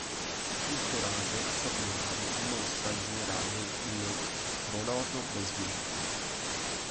Il torace ha forme varie e mostra in generale il pronoto ben sviluppato.